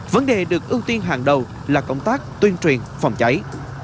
vấn đề được ưu tiên hàng đầu là công tác tuyên truyền phòng cháy